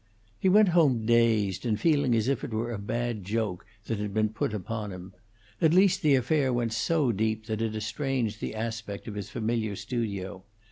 He went home dazed, and feeling as if it were a bad joke that had been put upon him. At least the affair went so deep that it estranged the aspect of his familiar studio.